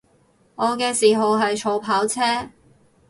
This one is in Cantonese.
我嘅嗜好係儲跑車